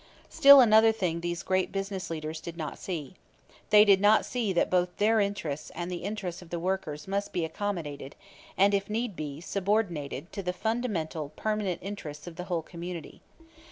Still another thing these great business leaders did not see. They did not see that both their interests and the interests of the workers must be accommodated, and if need be, subordinated, to the fundamental permanent interests of the whole community.